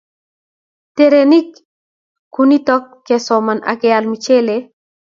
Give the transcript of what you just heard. Terenik kintonik kesoom ak keal michelee.